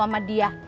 gantengan dia sih